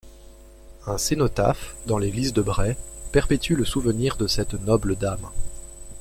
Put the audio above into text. Un cénotaphe dans l'église de Bray, perpétue le souvenir de cette noble Dame.